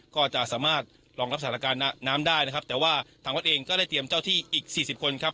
ก็จะสามารถรองรับสถานการณ์น้ำได้นะครับแต่ว่าทางวัดเองก็ได้เตรียมเจ้าที่อีกสี่สิบคนครับ